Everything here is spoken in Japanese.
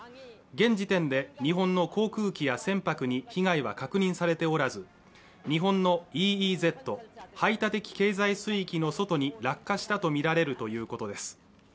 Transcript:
現時点で日本の航空機や船舶に被害は確認されておらず日本のＥＥＺ排他的経済水域の外に落下したと見られるということです